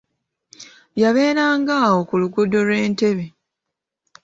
Yabeeranga awo ku luguudo lw'entebbe.